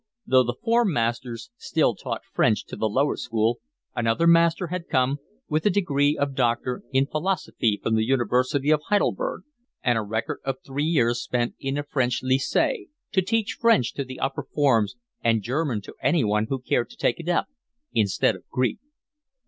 Though the form masters still taught French to the lower school, another master had come, with a degree of doctor of philology from the University of Heidelberg and a record of three years spent in a French lycee, to teach French to the upper forms and German to anyone who cared to take it up instead of Greek.